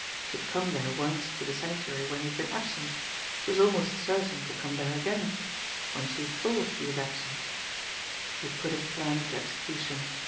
She had come there once to the Sanctuary when he had been absent; she was almost certain to come there again when she thought he was absent! He had put his plan into execution.